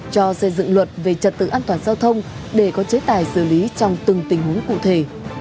cho xây dựng luật về trật tự an toàn giao thông để có chế tài xử lý trong từng tình huống cụ thể